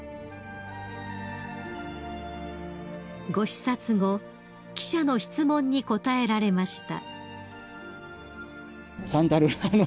［ご視察後記者の質問に答えられました］